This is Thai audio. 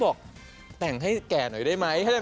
ออกแต่งให้แก่หน่อยได้มั้ยใช่มั้ย